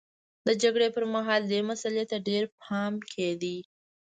د جګړې پرمهال دې مسئلې ته ډېر پام کېده